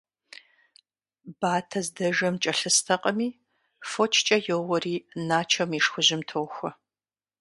Батэ здэжэм кӀэлъыстэкъыми, фочкӀэ йоуэри Начом и шхужьым тохуэ.